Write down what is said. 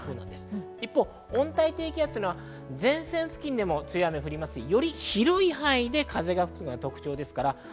一方、温帯低気圧は前線付近でも強い雨が降りますし、より広い範囲で風が吹くのが特徴です。